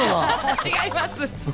違います。